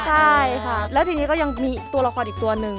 ใช่ค่ะแล้วทีนี้ก็ยังมีตัวละครอีกตัวหนึ่ง